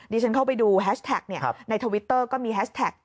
ฉันเข้าไปดูแฮชแท็กในทวิตเตอร์ก็มีแฮชแท็ก